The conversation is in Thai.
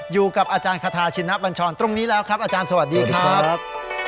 อยู่กับอาจารย์คาทาชินบัญชรตรงนี้แล้วครับอาจารย์สวัสดีครับ